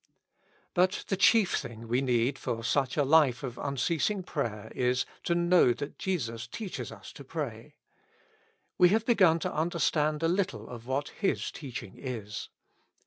But the chief thing we need for such a life of un ceasing prayer is, to know that Jesus teaches us to pray. We have begun to understand a little what His teaching is.